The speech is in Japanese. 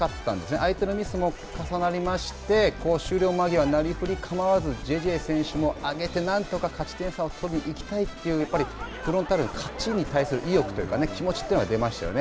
相手のミスも重なりまして終了間際になりふり構わずなんとか勝ち点を上げていきたいというフロンターレの勝ちに対する意欲というか気持ちというのが出ましたよね。